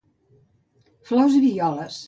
Flors i violes.